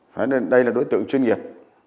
hãy nên đây là đối tượng chuyên nghiệp